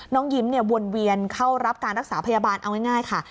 ยิ้มวนเวียนเข้ารับการรักษาพยาบาลเอาง่ายค่ะ